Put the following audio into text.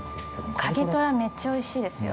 景虎、めっちゃおいしいですよ。